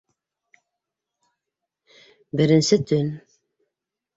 Беренсе төн